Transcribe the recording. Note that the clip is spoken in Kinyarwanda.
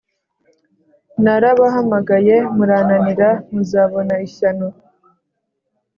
Narabahamagaye muraninira muzabona ishyano